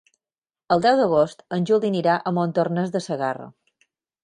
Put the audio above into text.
El deu d'agost en Juli anirà a Montornès de Segarra.